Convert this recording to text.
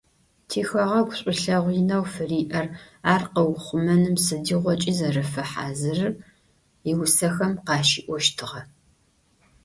Тихэгъэгу шӏулъэгъу инэу фыриӏэр, ар къыухъумэным сыдигъокӏи зэрэфэхьазырыр иусэхэм къащиӏощтыгъэ.